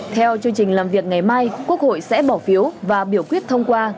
theo chương trình làm việc ngày mai quốc hội sẽ bỏ phiếu và biểu quyết thông qua